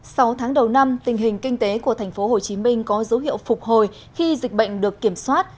sau tháng đầu năm tình hình kinh tế của tp hcm có dấu hiệu phục hồi khi dịch bệnh được kiểm soát